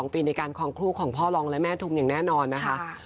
ปีในการคลองครูของพ่อรองและแม่ทุมอย่างแน่นอนนะคะ